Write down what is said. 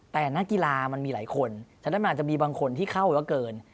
แต่นักกีฬามันมีหลายคนฉะนั้นมันอาจจะมีบางคนที่เข้าเยอะเกิน